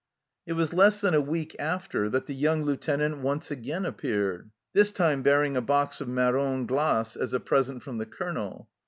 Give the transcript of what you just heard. It was less than a week after that the young Lieutenant once again appeared, this time bearing a box of marrons glaces as a present from the Colonel.